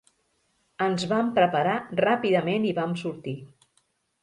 Ens vam preparar ràpidament i vam sortir.